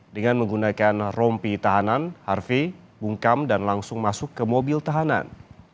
dengan menggunakan rompi tahanan harvey bungkam dan langsung masuk ke mobil tahanan